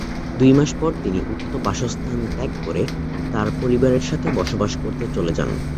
দুই মাস পর তিনি উক্ত বাসস্থান ত্যাগ করে তার পরিবারের সাথে বসবাস করতে চলে যান।